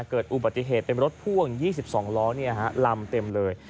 เกิดอุบัติเหตุเป็นรถพ่วง๒๒ล้อลำเต็มเลย